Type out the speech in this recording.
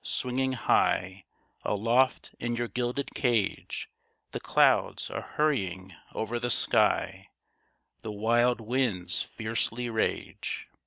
swinging high Aloft in your gilded cage, The clouds are hurrying over the sky, The wild winds fiercely rage.